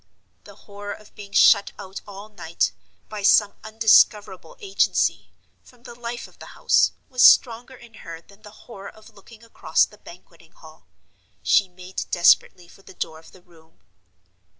The horror of being shut out all night, by some undiscoverable agency, from the life of the house, was stronger in her than the horror of looking across the Banqueting Hall. She made desperately for the door of the room.